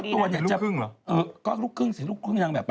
ตอนนั้นเราก็ยังไม่รู้ว่านางแบบ